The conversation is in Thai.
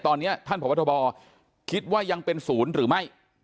ตอนนี้ท่านพบทบคิดว่ายังเป็นศูนย์หรือไม่